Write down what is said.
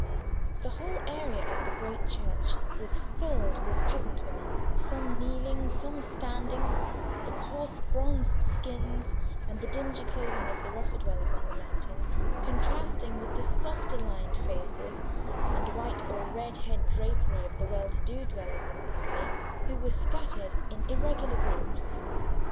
The whole area of the great church was filled with peasant women, some kneeling, some standing; the coarse bronzed skins, and the dingy clothing of the rougher dwellers on the mountains, contrasting with the softer lined faces and white or red head drapery of the well to do dwellers in the valley, who were scattered in irregular groups.